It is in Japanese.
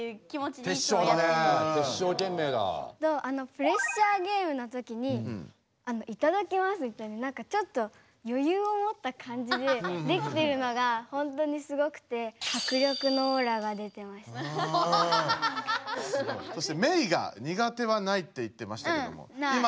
プレッシャーゲームのときに「いただきます」ってちょっとよゆうをもった感じでできてるのがほんとにすごくてそしてメイがニガテはないって言ってましたけどもない！